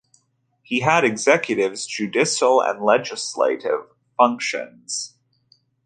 He had executives, judicial and legislative functions.